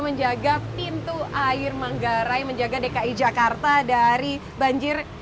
menjaga pintu air manggarai menjaga dki jakarta dari banjir